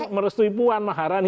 bukan merestui puan maharani